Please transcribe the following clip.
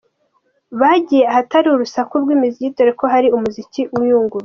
Bagiye ahatari urusaku rw’imiziki dore ko hari umuziki uyunguruye.